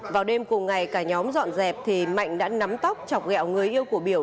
vào đêm cùng ngày cả nhóm dọn dẹp thì mạnh đã nắm tóc chọc gẹo người yêu của biểu